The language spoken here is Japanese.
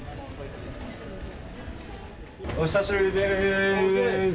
お久しぶりです。